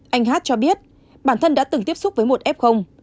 anh hát cho biết bản thân đã từng tiếp xúc với một f